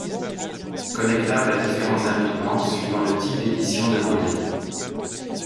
Connectable à différentes imprimantes suivant le type d'édition demandé.